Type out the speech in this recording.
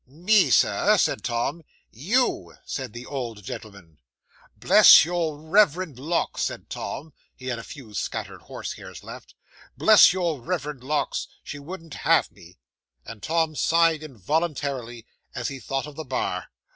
'"Me, Sir!" said Tom. '"You," said the old gentleman. '"Bless your reverend locks," said Tom (he had a few scattered horse hairs left) "bless your reverend locks, she wouldn't have me." And Tom sighed involuntarily, as he thought of the bar.